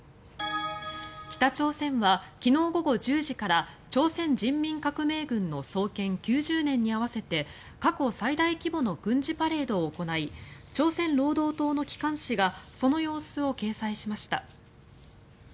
北朝鮮は昨日午後１０時から朝鮮人民革命軍の創建９０年に合わせて過去最大規模の軍事パレードを行い朝鮮労働党の機関紙がその様子を掲載しました。